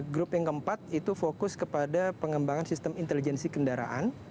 grup yang keempat itu fokus kepada pengembangan sistem intelijensi kendaraan